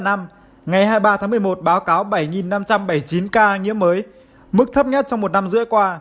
ngày hai mươi ba tháng một mươi một báo cáo bảy năm trăm bảy mươi chín ca nhiễm mới mức thấp nhất trong một năm rưỡi qua